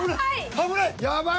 危ない！